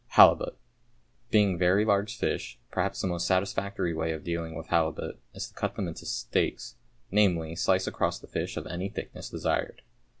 =Halibut.= Being very large fish, perhaps the most satisfactory way of dealing with halibut is to cut them into steaks, viz., slices across the fish of any thickness desired.